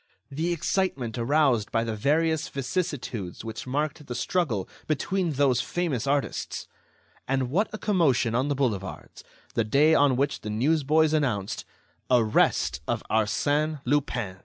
The excitement aroused by the various vicissitudes which marked the struggle between those famous artists! And what a commotion on the boulevards, the day on which the newsboys announced: "Arrest of Arsène Lupin!"